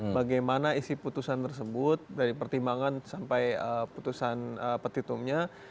bagaimana isi putusan tersebut dari pertimbangan sampai putusan petitumnya